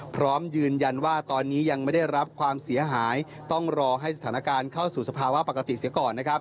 พร้อมยืนยันว่าตอนนี้ยังไม่ได้รับความเสียหายต้องรอให้สถานการณ์เข้าสู่สภาวะปกติเสียก่อนนะครับ